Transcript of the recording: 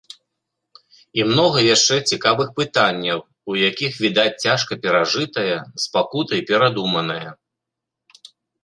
І многа яшчэ цікавых пытанняў, у якіх відаць цяжка перажытае, з пакутай перадуманае.